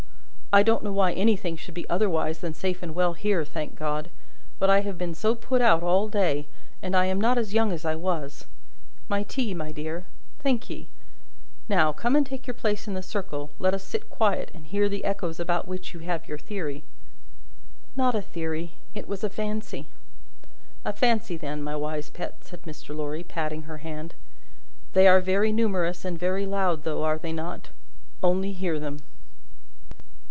I don't know why anything should be otherwise than safe and well here, thank God; but I have been so put out all day, and I am not as young as I was! My tea, my dear! Thank ye. Now, come and take your place in the circle, and let us sit quiet, and hear the echoes about which you have your theory." "Not a theory; it was a fancy." "A fancy, then, my wise pet," said Mr. Lorry, patting her hand. "They are very numerous and very loud, though, are they not? Only hear them!"